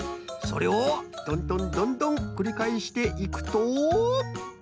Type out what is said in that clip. それをどんどんどんどんくりかえしていくと。